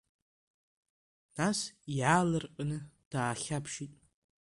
Нас иаалырҟьаны даахьаԥшит.